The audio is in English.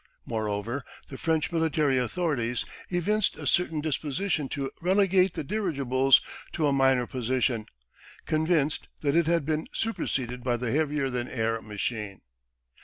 Moreover, the French military authorities evinced a certain disposition to relegate the dirigible to a minor position, convinced that it had been superseded by the heavier than air machine.